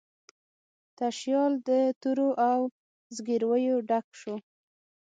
تشیال د تورو او زګیرویو ډک شو